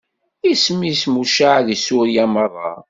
Isem-is mucaɛ di Surya meṛṛa.